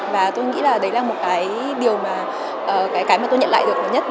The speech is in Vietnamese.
và tôi nghĩ là đấy là một cái điều mà tôi nhận lại được nhất